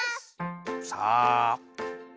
さあ。